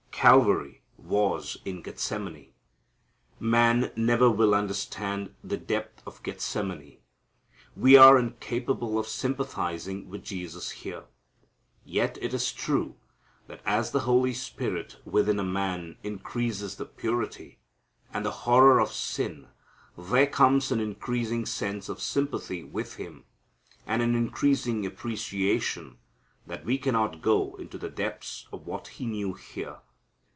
Calvary was in Gethsemane. Man never will understand the depth of Gethsemane. We are incapable of sympathizing with Jesus here. Yet it is true that as the Holy Spirit within a man increases the purity, and the horror of sin, there comes an increasing sense of sympathy with Him, and an increasing appreciation that we cannot go into the depths of what He knew here.